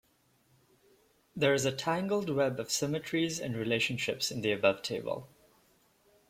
There is a tangled web of symmetries and relationships in the above table.